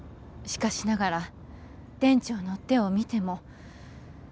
しかしながら店長の手を見ても